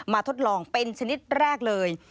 ทดลองเป็นชนิดแรกเลย